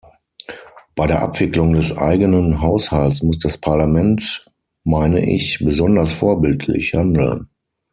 Bei der Abwicklung des eigenen Haushalts muss das Parlament, meine ich, besonders vorbildlich handeln.